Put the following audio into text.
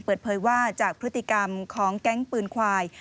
เปิดเผยว่าจากพฤติกรรมของแก๊งปืนควาย